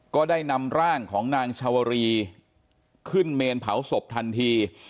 ก็ได้นำร่างของนางชาวรีขึ้นเมนเผาศพทันที